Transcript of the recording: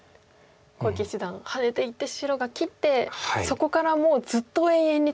小池七段ハネていって白が切ってそこからもうずっと永遠に戦ってましたね。